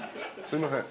すいません。